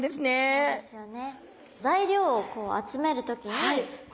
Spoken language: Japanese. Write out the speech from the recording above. そうですよね。